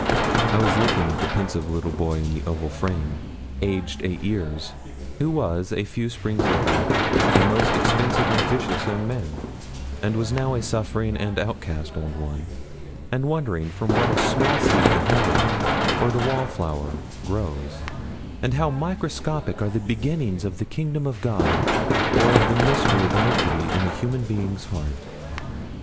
I was looking at the pensive little boy in the oval frame aged eight years who was, a few springs later, 'a most expensive and vicious young man,' and was now a suffering and outcast old one, and wondering from what a small seed the hemlock or the wallflower grows, and how microscopic are the beginnings of the kingdom of God or of the mystery of iniquity in a human being's heart.